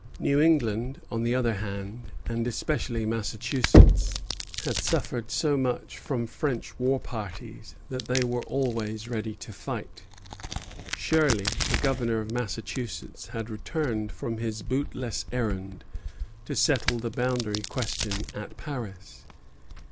New England, on the other hand, and especially Massachusetts, had suffered so much from French war parties that they were always ready to fight. Shirley, the governor of Massachusetts, had returned from his bootless errand to settle the boundary question at Paris.